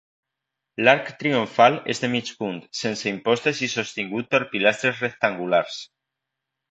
L'arc triomfal és de mig punt, sense impostes i sostingut per pilastres rectangulars.